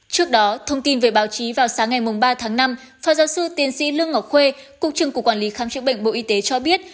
trước đó thông tin về báo chí vào sáng ngày ba tháng năm phó giáo sư tiến sĩ lương ngọc khuê cục trưởng cục quản lý khám chữa bệnh bộ y tế cho biết